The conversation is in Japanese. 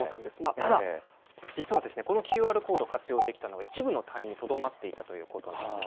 ただ、実は、このＱＲコードを活用できたのは、一部の隊員にとどまっていたということです。